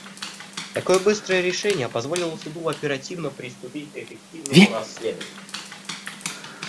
Такое быстрое решение позволило Суду оперативно приступить к эффективному расследованию.